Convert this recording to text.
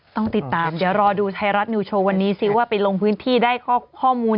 ต้องติดตามเดี๋ยวรอดูไทยรัฐนิวโชว์วันนี้ซิว่าไปลงพื้นที่ได้ข้อมูล